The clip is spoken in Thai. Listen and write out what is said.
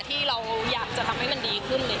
ที่เราอยากจะทำให้มันดีขึ้น